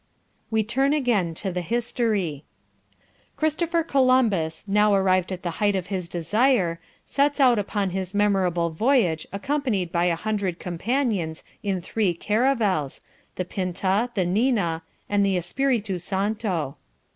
We turn again to the history. "...Christopher Columbus, now arrived at the height of his desire, sets out upon his memorable voyage accompanied by a hundred companions in three caravels, the Pinta, the Nina and the Espiritu Santo."